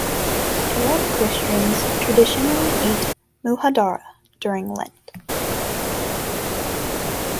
Arab Christians traditionally eat "mujaddara" during Lent.